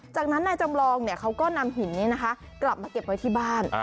จากนั้นนายจำลองเขาก็นำหินนี้นะคะกลับมาเก็บไว้ที่บ้าน